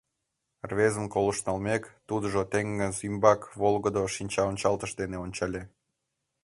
— Рвезым колышт налмек, тудыжо теҥыз ӱмбак волгыдо шинчаончалтыш дене ончале.